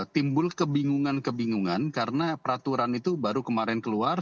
timbul kebingungan kebingungan karena peraturan itu baru kemarin keluar